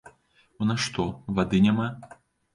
У нас што, вады няма?